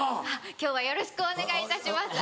今日はよろしくお願いいたします。